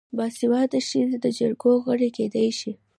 باسواده ښځې د جرګو غړې کیدی شي.